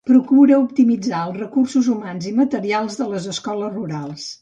Procura optimitzar els recursos humans i materials de les escoles rurals.